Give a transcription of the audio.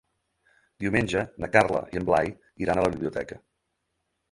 Diumenge na Carla i en Blai iran a la biblioteca.